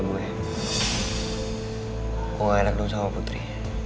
gue gak enak dong sama putri